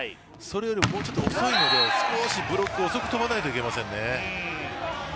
それよりもちょっと遅いので少しブロック遅く跳ばないといけませんね。